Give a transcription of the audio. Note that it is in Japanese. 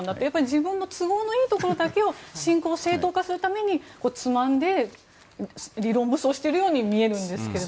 自分の都合のいいところだけを侵攻を正当化するためにつまんで理論武装しているように見えるんですけど。